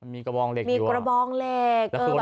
มีกระบองเหล็ก